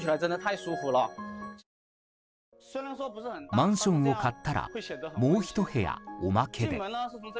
マンションを買ったらもう１部屋おまけで。